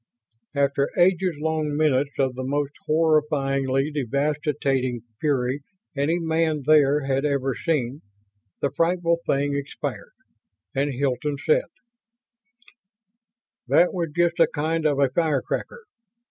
After ages long minutes of the most horrifyingly devastating fury any man there had ever seen, the frightful thing expired and Hilton said: "That was just a kind of a firecracker.